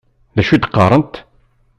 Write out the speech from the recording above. D acu i d-qqarent?